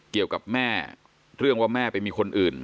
เกี่ยวกับแม่เรื่องว่าแม่ไปมีคนอื่น